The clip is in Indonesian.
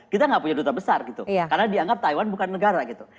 kita nggak punya duta besar gitu karena dianggap taiwan bukan negara gitu